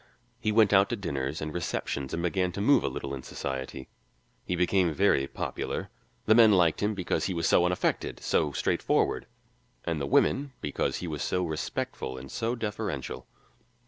He went out to dinners and receptions and began to move a little in society. He became very popular: the men liked him because he was so unaffected, so straightforward, and the women because he was so respectful and so deferential.